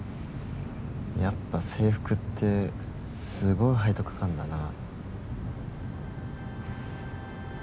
やっぱ制服ってすごい背徳感だな。